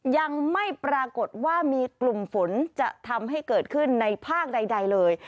ยังไม่ปรากฏว่ามีกลุ่มฝนจะทำให้เกิดขึ้นในภาคใดเลย